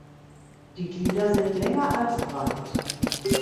Die Glieder sind länger als breit.